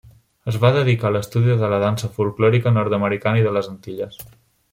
Es va dedicar a l'estudi de la dansa folklòrica nord-americana i de les Antilles.